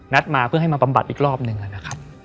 มาเพื่อให้มาบำบัดอีกรอบหนึ่งนะครับ